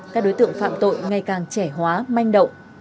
các đối tượng phạm tội ngày càng trẻ hóa manh động